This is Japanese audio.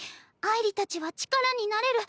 あいりたちは力になれる。